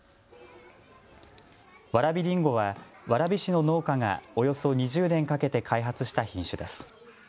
わらびりんごは蕨市の農家がおよそ２０年かけて開発した品種です。